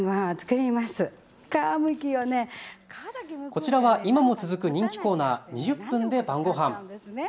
こちらは今も続く人気コーナー、２０分で晩ごはん。